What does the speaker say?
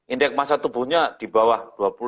indeks masa tubuhnya di bawah dua puluh lima